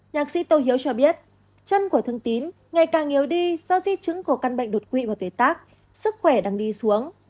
nhạc sĩ tô hiếu cho biết chân của thương tín ngày càng yếu đi do di chứng của căn bệnh đột quỵ vào tuổi tác sức khỏe đang đi xuống